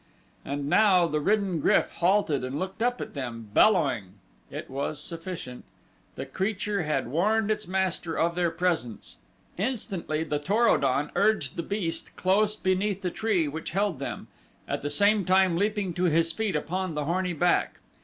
And now the ridden GRYF halted and looked up at them, bellowing. It was sufficient. The creature had warned its master of their presence. Instantly the Tor o don urged the beast close beneath the tree which held them, at the same time leaping to his feet upon the horny back.